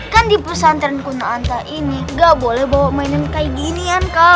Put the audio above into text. kan di pesantren kunoanta ini nggak boleh bawa mainan kayak ginian kal